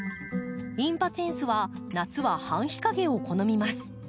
インパチェンスは夏は半日陰を好みます。